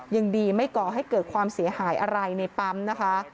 ยังดีไม่ก่อให้เกิดความเสียหายอะไรในปั๊มนะคะ